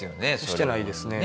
してないですね。